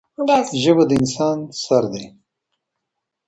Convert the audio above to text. ژبه د انسان سر دی.